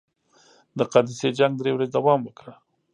د قادسیې جنګ درې ورځې دوام وکړ.